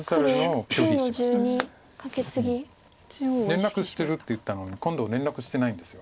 連絡してるって言ったのに今度は連絡してないんです。